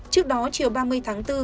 trước đó chiều ba mươi tháng bốn